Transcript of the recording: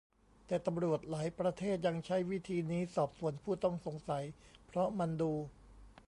แต่ตำรวจหลายประเทศยังใช้วิธีนี้สอบสวนผู้ต้องสงสัยเพราะมันดู